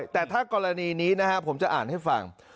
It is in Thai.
แต่ถ้ากรณีนี้นะฮะผมจะอ่านให้ฟัง